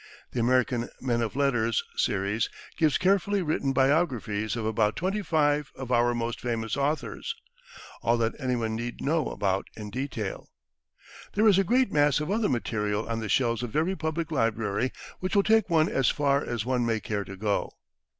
The "American Men of Letters" series gives carefully written biographies of about twenty five of our most famous authors all that anyone need know about in detail. There is a great mass of other material on the shelves of every public library, which will take one as far as one may care to go.